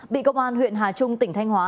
bị công an huyện hà trung tỉnh thanh hóa